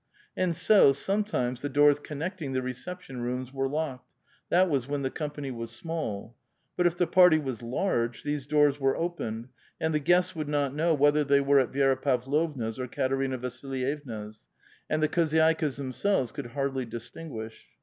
And so, some times the doors connecting the reception rooms were locked ; that was when the company was small. But if the party was large, these doors were opened, and the guests would not know whether they were at Vi^ra Pavlovua*s or Katerina Vasilyevna's ; and the khozydikas themselves could hardly distinguish.